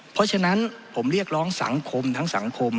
เพราะฉะนั้นผมเรียกร้องสังคมทั้งสังคม